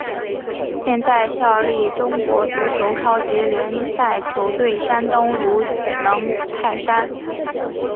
现在效力中国足球超级联赛球队山东鲁能泰山。